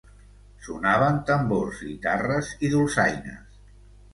Sonaven tambors, guitarres i dolçaines.